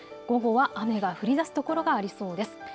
午後は雨が降りだすところがありそうです。